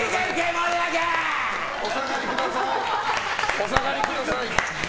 お下がりください。